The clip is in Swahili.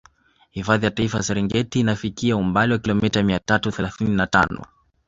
Hifadhi ya Taifa ya Serengeti inafikika umbali wa kilomita mia tatu thelathini na tano